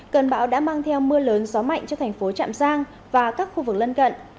cơn bão đã mang theo mưa lớn gió mạnh cho thành phố trạm giang và các khu vực lân cận